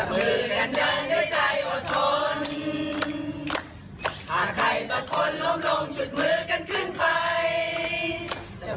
หากใครสักคนล้มลงชุดมือกันขึ้นไป